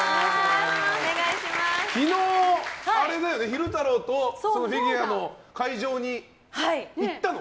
昨日、昼太郎とフィギュアの会場に行ったの？